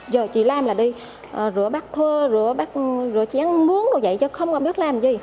giờ chỉ làm là đi rửa bát thơ rửa chén muống đồ dạy chứ không có biết làm gì